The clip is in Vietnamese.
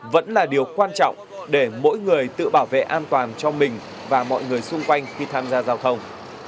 vẫn là điều quan trọng để mỗi người tự bảo vệ an toàn cho mình và mọi người xung quanh khi tham gia giao thông